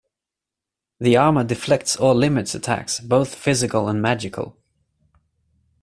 The armor deflects or limits attacks, both physical and magical.